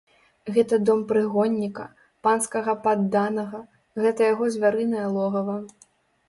Гэта дом прыгонніка, панскага падданага, гэта яго звярынае логава.